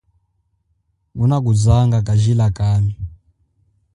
Ngunakuzange kajila kami.